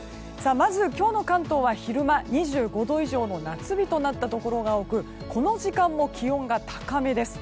まず今日の関東は昼間２５度以上夏日となったところが多くこの時間も気温が高めです。